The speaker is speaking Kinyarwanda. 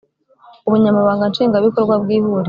Ubunyamabanga Nshingwabikorwa bw Ihuriro